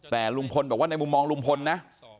แต่ลุงพลบอกว่าในมุมมองลุงพลนะ